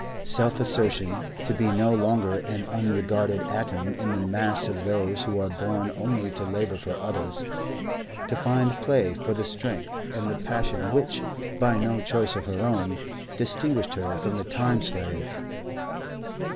Self assertion; to be no longer an unregarded atom in the mass of those who are born only to labour for others; to find play for the strength and the passion which, by no choice of her own, distinguished her from the tame slave.